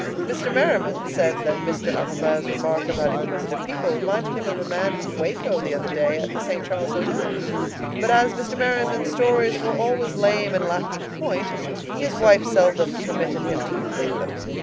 Mr. Merriman said that Mr. Arobin's remark about inquisitive people reminded him of a man from Waco the other day at the St. Charles Hotel—but as Mr. Merriman's stories were always lame and lacking point, his wife seldom permitted him to complete them.